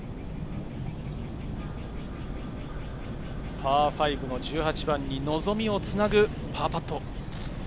パー５の１８番に望みをつなぐパーパット。